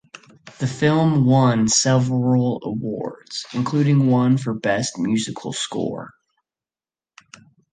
The film won several awards, including one for best musical score.